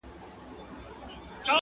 د عرب خبره زړه ته سوله تېره.!